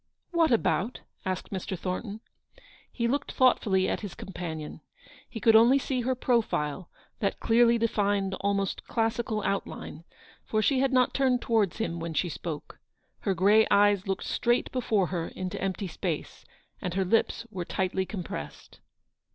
" What about ?" asked Mr. Thornton. He looked thoughtfully at his companion. He could only see her profile — that clearly, defined, 007 almost classical outline — for she had not turned towards him when she spoke. Her grey eyes looked straight before her into empty space, and her lips were tightly compressed.